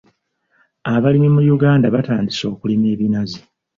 Abalimi mu Uganda batandise okulima ebinazi.